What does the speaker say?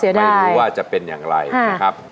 ไม่รู้ว่าจะเป็นอย่างไรนะครับ